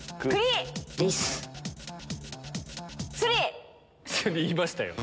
「スリ」言いましたよ